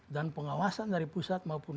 dan pengawasan dari pusat maupun